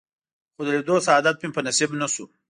خو د لیدو سعادت مې په نصیب نه شو.